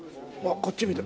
こっち見てる。